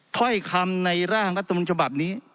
ถ้อยคำในร่างรัฐมนุนฉบับนี้